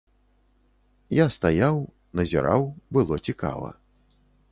Я стаяў, назіраў, было цікава.